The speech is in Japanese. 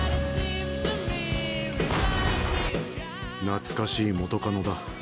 懐かしい元カノだ。